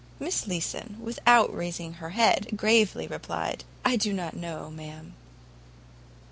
Miss Leeson, without raising her head, gravely replied, "I don't know, ma'am."